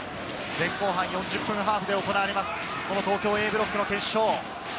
前後半４０分ハーフで行われます、東京Ａブロックの決勝。